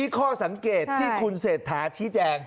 ข้อสังเกตที่คุณเศรษฐาชี้แจง